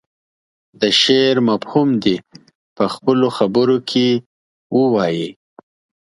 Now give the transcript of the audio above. د شعر مفهوم دې په خپلو خبرو کې ووايي.